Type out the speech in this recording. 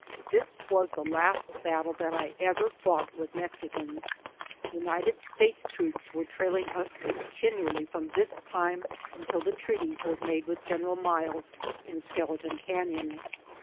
This was the last battle that I ever fought with Mexicans. United States troops were, trailing us continually from this time until the treaty was made with General Miles in Skeleton Canon.